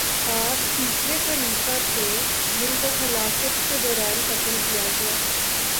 آپ تیسرے خلیفہ تھے جن کو خلافت کے دوران قتل کیا گیا